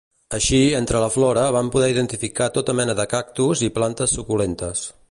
Així, entre la flora van poder identificar tota mena de cactus i plantes suculentes.